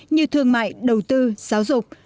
như thương mại đầu tư giáo dục